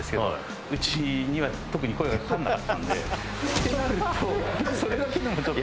ってなるとそれだけでもちょっと。